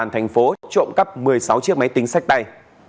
trộm cắp một mươi sáu chiếc máy tính sách tay